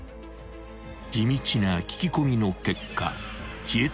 ［地道な聞き込みの結果］